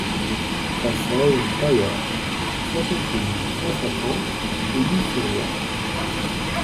Passage Paillard, cinquante-huit mille cent cinquante Pouilly-sur-Loire